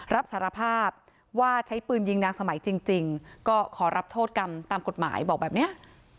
รับสารภาพว่าใช้ปืนยิงนางสมัยจริงก็ขอรับโทษกรรมตามกฎหมายบอกแบบนี้